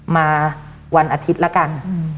มาวันอาทิตย์ละกัน